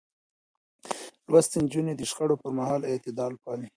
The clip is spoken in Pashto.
لوستې نجونې د شخړو پر مهال اعتدال پالي.